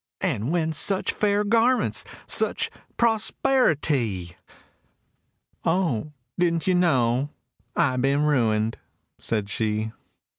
And whence such fair garments, such prosperi ty?"— "O didn't you know I'd been ruined?" said she.